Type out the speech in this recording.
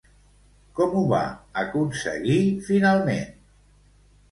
Com ho va aconseguir finalment?